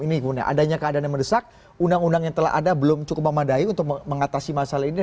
ini adanya keadaan yang mendesak undang undang yang telah ada belum cukup memadai untuk mengatasi masalah ini